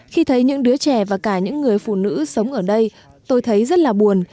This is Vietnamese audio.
khi thấy những đứa trẻ và cả những người phụ nữ sống ở đây tôi thấy rất là buồn